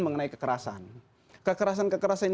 mengenai kekerasan kekerasan kekerasan